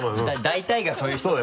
大体がそういう人だから。